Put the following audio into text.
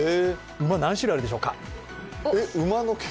馬、何種類あるでしょうか？